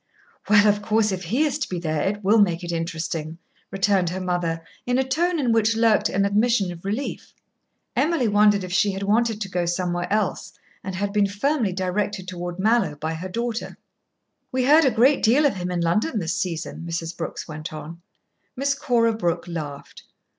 "Well, of course if he is to be there, it will make it interesting," returned her mother, in a tone in which lurked an admission of relief. Emily wondered if she had wanted to go somewhere else and had been firmly directed toward Mallowe by her daughter. "We heard a great deal of him in London this season," Mrs. Brooks went on. Miss Cora Brooke laughed.